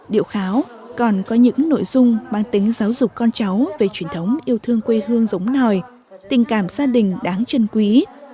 điệu kháo còn có những nội dung mang tính giáo dục con cháu về truyền thống yêu thương quê hương giống nòi tình cảm gia đình đáng chân quý